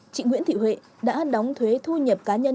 chị nguyễn thị huệ đã đóng thuế thu nhập cá nhân